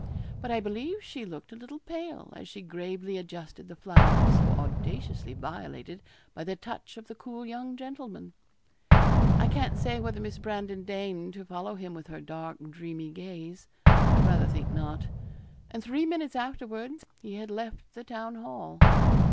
But I believe she looked a little pale as she gravely adjusted the flowers so audaciously violated by the touch of the cool young gentleman. I can't say whether Miss Brandon deigned to follow him with her dark, dreamy gaze. I rather think not. And three minutes afterwards he had left the Town Hall.